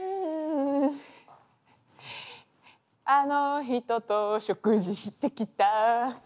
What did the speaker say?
「あの人と食事してきた」